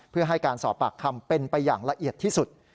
เพื่อให้การสอบปากคำเป็นไปอย่างละเอียดที่สุด